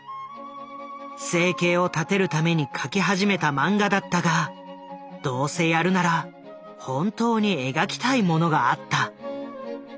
生計を立てるために描き始めたマンガだったがどうせやるなら本当に描きたいものがあった。